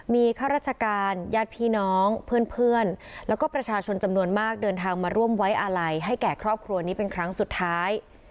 มีข้าราชการญาติพี่น้องเพื่อนแล้วก็ประชาชนจำนวนมากเดินทางมาร่วมไว้อาลัยให้แก่ครอบครัวนี้เป็นครั้งสุดท้าย